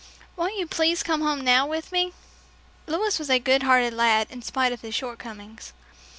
Won't you please come home now with me?" Louis was a good hearted lad in spite of his shortcomings.